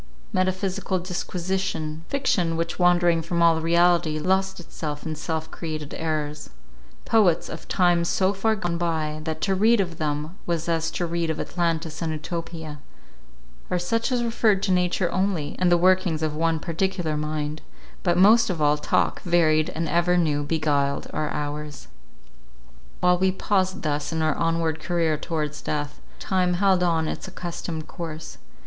Metaphysical disquisition; fiction, which wandering from all reality, lost itself in self created errors; poets of times so far gone by, that to read of them was as to read of Atlantis and Utopia; or such as referred to nature only, and the workings of one particular mind; but most of all, talk, varied and ever new, beguiled our hours. While we paused thus in our onward career towards death, time held on its accustomed course.